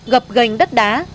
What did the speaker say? gập gành đất đá